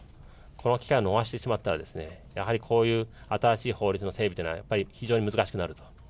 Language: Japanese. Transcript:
この機会を逃してしまったら、やはりこういう新しい法律の整備というのは、やっぱり非常に難しくなると。